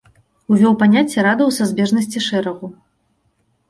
Увёў паняцце радыуса збежнасці шэрагу.